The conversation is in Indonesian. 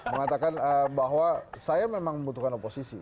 mengatakan bahwa saya memang membutuhkan oposisi